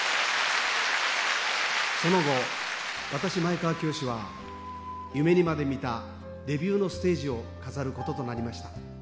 その後私前川清は夢にまでみたデビューのステージを飾ることとなりました。